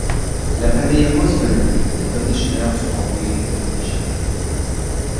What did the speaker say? La famille Rozgonyi est originaire du comté de Fejér.